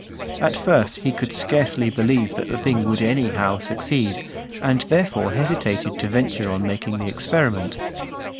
At first he could scarcely believe that the thing would any how succeed, and therefore hesitated to venture on making the experiment.